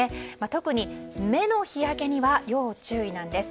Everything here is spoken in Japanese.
特に、目の日焼けには要注意なんです。